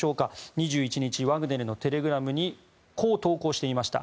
２１日、ワグネルのテレグラムにこう投稿していました。